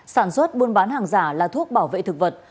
sản xuất buôn bán hàng giả là thuốc bảo vệ thực vật